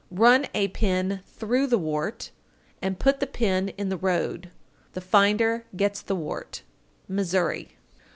Run a pin through the wart, and put the pin in the road; the finder gets the wart. _Missouri.